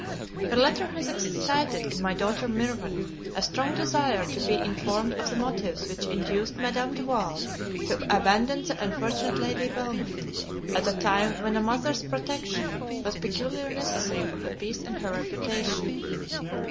Her letter has excited in my daughter Mirvan, a strong desire to be informed of the motives which induced Madame Duval to abandon the unfortunate Lady Belmont, at a time when a mother's protection was peculiarly necessary for her peace and her reputation.